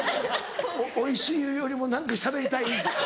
おいしいよりも何かしゃべりたい。